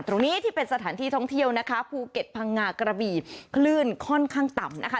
ที่เป็นสถานที่ท่องเที่ยวนะคะภูเก็ตพังงากระบีคลื่นค่อนข้างต่ำนะคะ